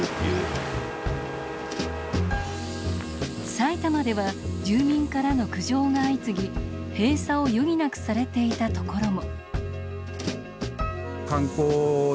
埼玉では住民からの苦情が相次ぎ、閉鎖を余儀なくされていたところも。